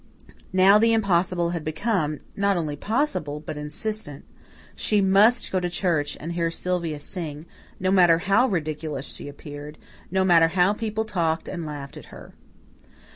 Now the impossible had become, not only possible, but insistent. She must go to church and hear Sylvia sing, no matter how ridiculous she appeared, no matter how people talked and laughed at her.